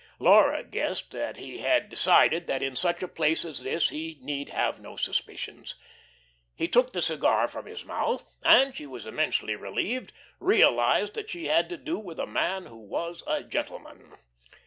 Laura guessed that he had decided that in such a place as this he need have no suspicions. He took the cigar from his mouth, and she, immensely relieved, realised that she had to do with a man who was a gentleman.